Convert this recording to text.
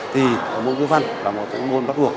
thì môn ngữ văn là một trong môn bắt buộc